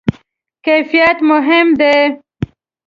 کیفیت مهم ده؟